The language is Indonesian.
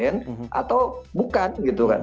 bentuk yang diinginkan oleh pak presiden atau bukan